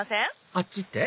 あっちって？